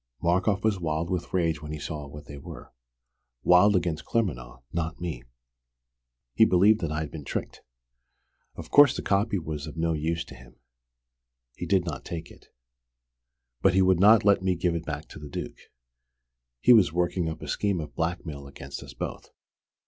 Markoff was wild with rage when he saw what they were wild against Claremanagh, not me. He believed that I'd been tricked. Of course the copy was of no use to him. He did not take it. But he would not let me give it back to the Duke. He was working up a scheme of blackmail against us both.